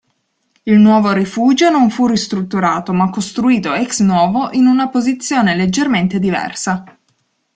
Il nuovo rifugio non fu ristrutturato ma costruito ex-novo in una posizione leggermente diversa.